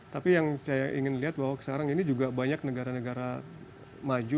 tapi yang saya ingin lihat bahwa sekarang ini juga banyak negara negara maju